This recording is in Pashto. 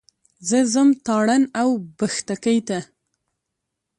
زه ځم تارڼ اوبښتکۍ ته.